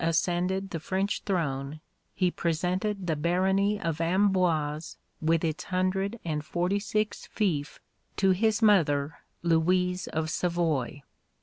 ascended the French throne he presented the barony of Amboise with its hundred and forty six fiefs to his mother, Louise of Savoy.